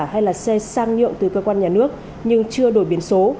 hay là xe sang nhượng từ cơ quan nhà nước nhưng chưa đổi biển số